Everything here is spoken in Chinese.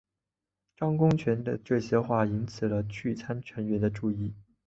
张公权的这些话引起聚餐成员的注意。